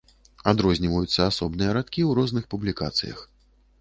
Адрозніваюцца асобныя радкі ў розных публікацыях.